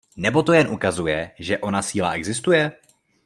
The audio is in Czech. Nebo to jen ukazuje, že ona síla existuje?